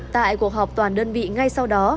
tại cuộc họp toàn đơn vị ngay sau đó